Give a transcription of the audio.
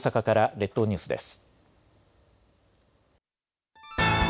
列島ニュースです。